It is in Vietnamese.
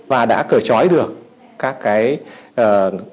và đã cởi trói được các cái điều kiện kinh doanh